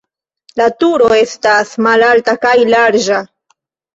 La turo estas malalta kaj larĝa.